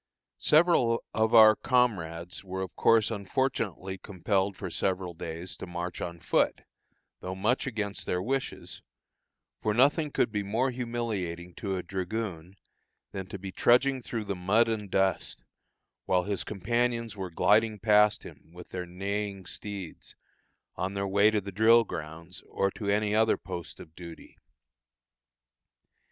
Several of our comrades were of course unfortunately compelled for several days to march on foot, though much against their wishes; for nothing could be more humiliating to a dragoon than to be trudging through the mud and dust, while his companions were gliding past him with their neighing steeds, on their way to the drill grounds, or to any other post of duty.